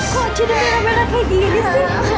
kok jadinya rame rame kayak gini sih